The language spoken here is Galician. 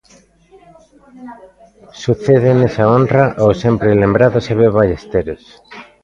Sucede nesa honra ao sempre lembrado Seve Ballesteros.